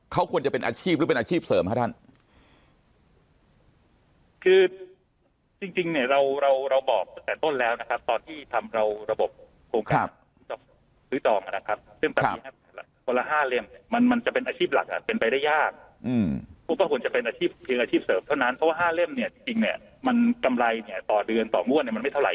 เขาควรจะเป็นอาชีพหรือเป็นอาชีพเสริมหรือเป็นอาชีพเสริมหรือเป็นอาชีพเสริมหรือเป็นอาชีพเสริมหรือเป็นอาชีพเสริมหรือเป็นอาชีพเสริมหรือเป็นอาชีพเสริมหรือเป็นอาชีพเสริมหรือเป็นอาชีพเสริมหรือเป็นอาชีพเสริมหรือเป็นอาชีพเสริมหรือเป็นอาชีพเสริมหรือเป็นอาชีพเสริมห